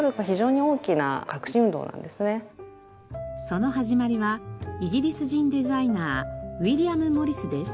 その始まりはイギリス人デザイナーウィリアム・モリスです。